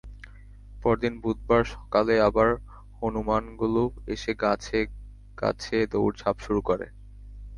পরদিন বুধবার সকালে আবার হনুমানগুলো এসে গাছে গাছে দৌড়ঝাঁপ শুরু করে।